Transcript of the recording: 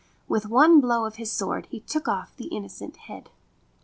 With one blow of his sword he took off the innocent head.